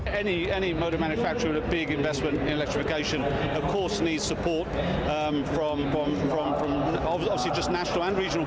pemerintah dan pemerintah regional butuh bantuan dari pemerintah dan pemerintah regional